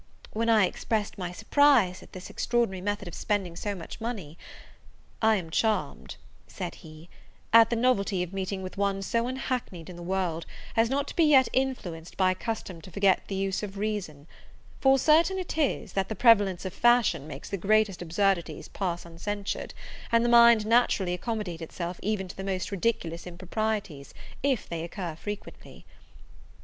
When I expressed my surprise at this extraordinary method of spending so much money, "I am charmed," said he, "at the novelty of meeting with one so unhackneyed in the world, as not to be yet influenced by custom to forget the use of reason: for certain it is, that the prevalence of fashion makes the greatest absurdities pass uncensured, and the mind naturally accommodates itself even to the most ridiculous improprieties, if they occur frequently."